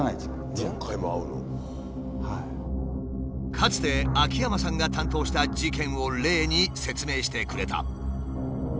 かつて秋山さんが担当した事件を例に説明してくれた。